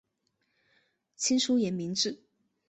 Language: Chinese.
清初沿明制。